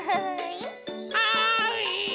はい！